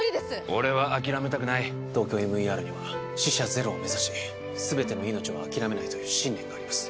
俺は諦めたくないＴＯＫＹＯＭＥＲには死者ゼロを目指し全ての命を諦めないという信念があります